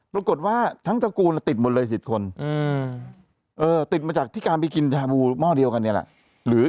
ปรากฏว่าทั้งจักรูน่ะติดหมดเลยสิบคนติดมาจากที่การไปกินชาบูหม้อเดียวกันเนี่ยแหละ